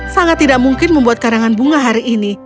sangat tidak mungkin membuat karangan bunga hari ini